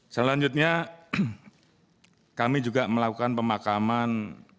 selanjutnya kami juga melakukan pemakaman